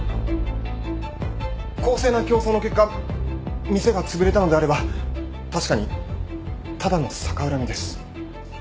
公正な競争の結果店がつぶれたのであれば確かにただの逆恨みです。